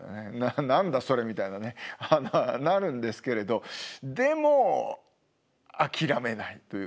「何だそれ」みたいなねなるんですけれどでも諦めないというかね。